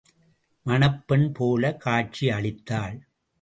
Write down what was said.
மணப்பெண் போலக் காட்சி அளித்தாள்.